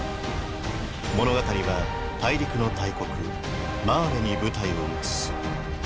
物語は大陸の大国マーレに舞台を移す。